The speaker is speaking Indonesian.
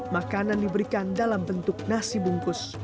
makanan diberikan dalam bentuk nasi bungkus